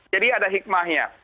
jadi ada hikmahnya